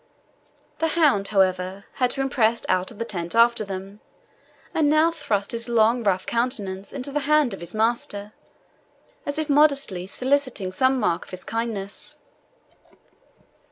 The hound, however, had pressed out of the tent after them, and now thrust his long, rough countenance into the hand of his master, as if modestly soliciting some mark of his kindness.